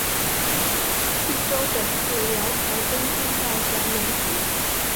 济州本是辽朝东京道黄龙府。